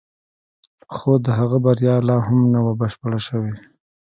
خو د هغه بریا لا هم نه وه بشپړه شوې